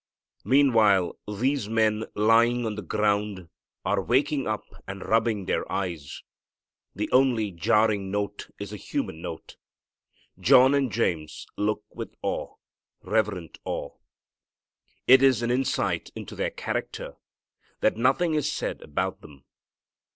Meanwhile these men lying on the ground are waking up and rubbing their eyes. The only jarring note is a human note. John and James look with awe, reverent awe. It is an insight into their character that nothing is said about them.